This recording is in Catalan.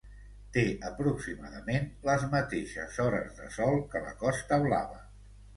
Té aproximadament les mateixes hores de sol que la Costa Blava.